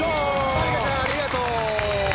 まりかちゃんありがとう！